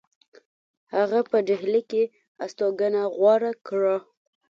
هغه په ډهلی کې هستوګنه غوره کړه.